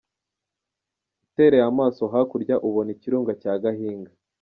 Utereye amaso hakurya uhabona ikirunga cya Gahinga.